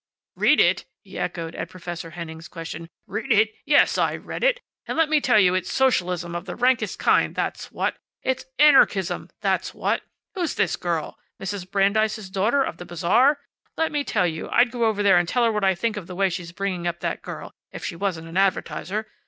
"Read it!" he echoed, at Professor Henning's question. "Read it! Yes, I read it. And let me tell you it's socialism of the rankest kind, that's what! It's anarchism, that's what! Who's this girl? Mrs. Brandeis's daughter of the Bazaar? Let me tell you I'd go over there and tell her what I think of the way she's bringing up that girl if she wasn't an advertiser.